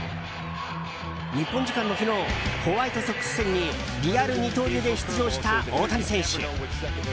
日本時間の昨日ホワイトソックス戦にリアル二刀流で出場した大谷選手。